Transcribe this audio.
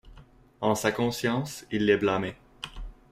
En sa conscience, il les blâmait.